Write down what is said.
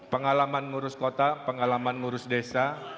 pengalaman ngurus kota pengalaman ngurus desa